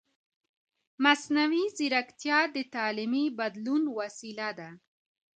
مصنوعي ځیرکتیا د تعلیمي بدلون وسیله ده.